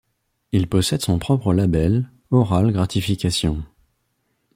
Il possède son propre label, Aural Gratification.